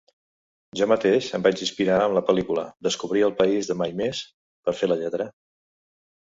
Jo mateix em vaig inspirar en la pel·lícula Descobrir el País de Mai Més per fer la lletra.